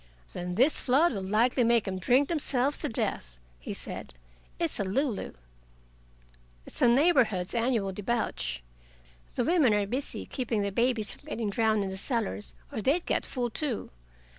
"Then this flood will likely make 'em drink themselves to death!" he said. "It's a lulu." "It's the neighborhood's annual debauch. The women are busy keeping the babies from getting drowned in the cellars, or they'd get full, too.